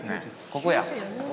◆ここや。